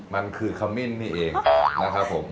มันคือขมิ้นนี่เองนะครับผม